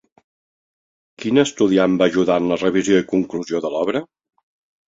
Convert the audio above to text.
Quin estudiant va ajudar en la revisió i conclusió de l'obra?